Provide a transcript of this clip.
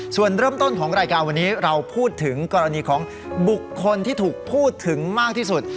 ส่วนเริ่มต้นของรายการวันนี้เราพูดถึงกรณีของบุคคลที่ถูกพูดถึงมากที่สุด